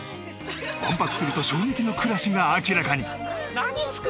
１泊すると衝撃の暮らしが明らかに。